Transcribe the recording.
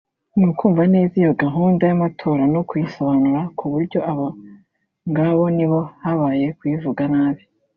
ni ukumva neza iyo gahunda y’amatora no kuyisobanura ku buryo abo ngabo niba habaye kuyivuga nabi